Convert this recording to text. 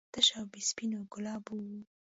تش او بې سپینو ګلابو و.